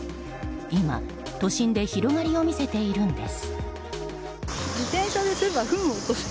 今、都心で広がりを見せているんです。